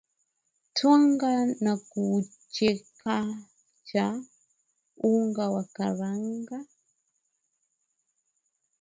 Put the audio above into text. twanga na kuchekecha unga wa karanga